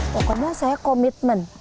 pokoknya saya komitmen